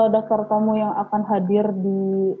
daftar tamu yang akan hadir di